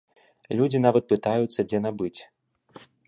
Людзі нават пытаюцца, дзе набыць.